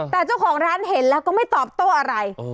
แต่เจ้าของร้านเห็นแล้วก็ไม่ตอบโต้อะไร